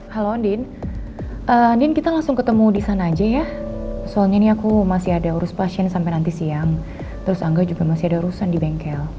halo andin kita langsung ketemu di sana aja ya soalnya ini aku masih ada urus pasien sampai nanti siang terus angga juga masih ada urusan di bengkel